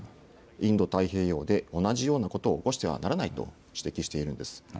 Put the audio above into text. インド太平洋で同じようなことを起こしてはならないと指摘しているんです。